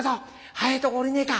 早いとこ下りねえか！